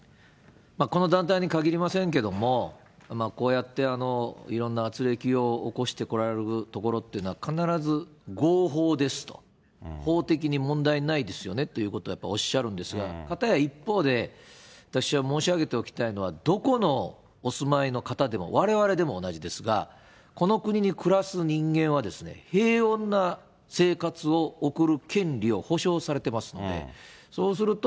この団体にかぎりませんけれども、こうやっていろんなあつれきを起こしてこられるところっていうのは、必ず合法ですと、法的に問題ないですよねってことをやっぱりおっしゃるんですが、かたや一方で、私は申し上げておきたいのは、どこのお住まいの方でも、われわれでも同じですが、この国に暮らす人間はですね、平穏な生活を送る権利を保障されてますので、そうすると、